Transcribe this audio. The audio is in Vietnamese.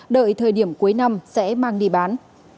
đợi thời điểm cuối năm sẽ mang đi bán